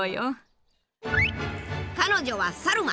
彼女はサルマ。